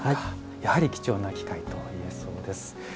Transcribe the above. やはり貴重な機会といえそうです。